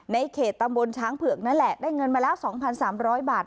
ในเขตตำบลช้างเผือกนั่นแหละได้เงินมาแล้วสองพันสามร้อยบาท